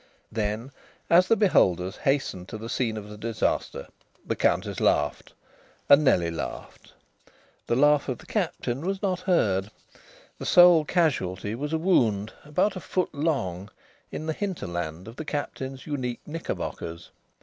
Then, as the beholders hastened to the scene of the disaster, the Countess laughed and Nellie laughed. The laugh of the Captain was not heard. The sole casualty was a wound about a foot long in the hinterland of the Captain's unique knicker bockers.